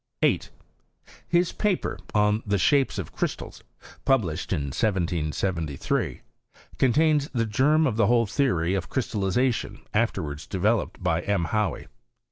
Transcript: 8. His paper on the shapes of crystals, pub lished in 1773, contains the germ of the whole theory of crystallization afterwards developed by M. Hauy.